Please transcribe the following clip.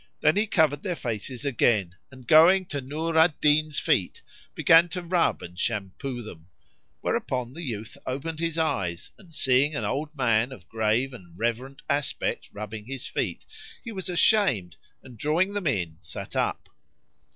Then he covered their faces again and, going to Nur al Din's feet, began to rub and shampoo them,[FN#46] whereupon the youth opened his eyes and, seeing an old man of grave and reverend aspect rubbing his feet, he was ashamed and drawing them in, sat up.